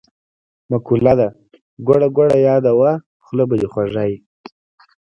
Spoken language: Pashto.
مقوله ده: ګوړه ګوړه یاده وه خوله به دی خوږه وي.